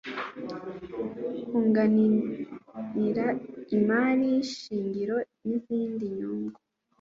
kunganira imari shingiro n izindi nyungu